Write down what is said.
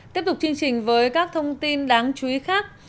tiếp tục chương trình với các thông tin đáng chú ý khác